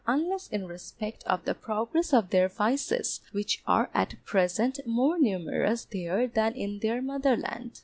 unless in respect of the progress of their vices which are at present more numerous there than in their motherland.